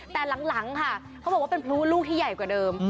แต่หลังค่ะเขาบอกว่าเป็นพลุลูกที่ใหญ่กว่าเดิม